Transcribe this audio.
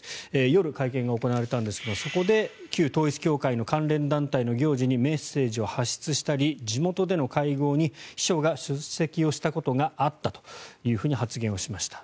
夜、会見が行われたんですがそこで旧統一教会の関連団体の行事にメッセージを発出したり地元での会合に秘書が出席をしたことがあったというふうに発言しました。